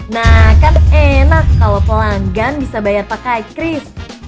nah kan enak kalau pelanggan bisa bayar pakai kris